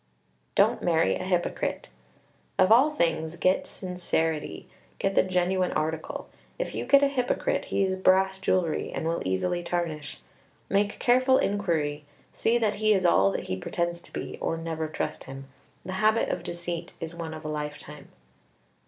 Don't marry a hypocrite. Of all things get sincerity. Get the genuine article. If you get a hypocrite, he is brass jewelry, and will easily tarnish. Make careful inquiry, see that he is all that he pretends to be, or never trust him. The habit of deceit is one of a lifetime.